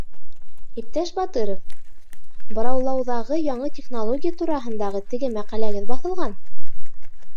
— Иптәш Батыров, быраулауҙағы яңы технология тураһындағы теге мәҡәләгеҙ баҫылған!